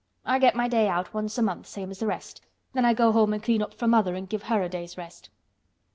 I get my day out once a month same as th' rest. Then I go home an' clean up for mother an' give her a day's rest."